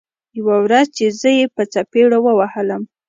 يوه ورځ چې زه يې په څپېړو ووهلم.